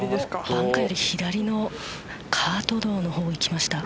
バンカーより左のカート道の方にいきました。